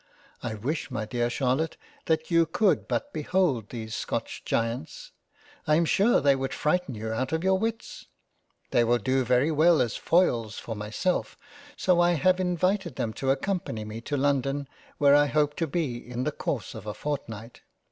I wish my dear Charlotte that you could but behold these Scotch giants ; I am sure they would frighten you out of your wits. They will do very well as foils to myself, so I have invited them to accompany me to London where I hope to be in the course of a fortnight.